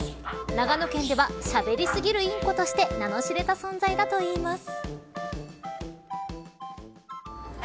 長野県ではしゃべり過ぎるインコとして名の知れた存在だといいます。